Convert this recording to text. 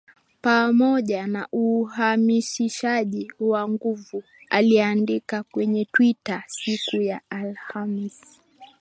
pamoja na uhamasishaji wa nguvu aliandika kwenye Twita siku ya Alhamisi